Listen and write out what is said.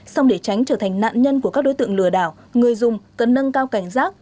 xong để tránh trở thành nạn nhân của các đối tượng lừa đảo người dùng cần nâng cao cảnh giác